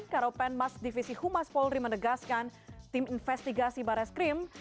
karopenmas divisi humas polri menegaskan tim investigasi bareskrim